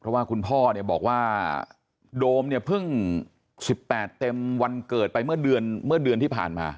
เพราะว่าคุณพ่อเนี่ยบอกว่าโดมเนี่ยเพิ่ง๑๘เต็มวันเกิดไปเมื่อเดือนที่ผ่านมา